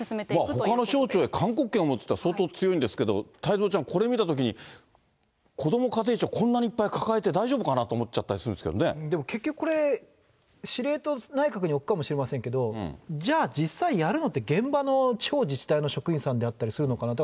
ほかの省庁へ勧告権を持つと、相当強いんですけど、太蔵ちゃん、これを見たときに、こども家庭庁、こんなにいっぱい抱えて大丈夫かなと思っちゃったりするんですけ結局これ、司令塔、内閣に置くかもしれませんけど、じゃあ、実際やるのって現場の地方自治体の職員さんだったりするのかなと。